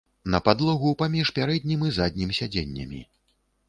На падлогу паміж пярэднім і заднім сядзеннямі.